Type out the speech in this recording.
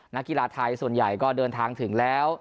นักกีฬาไทยส่วนใหญ่ก็เดินทางถึงแล้ว